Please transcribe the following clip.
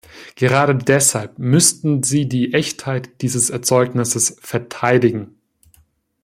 Gerade deshalb müssten sie die Echtheit dieses Erzeugnisses verteidigen.